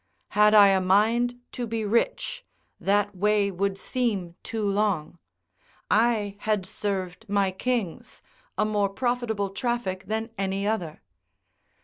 Had I a mind to be rich, that way would seem too long; I had served my kings, a more profitable traffic than any other.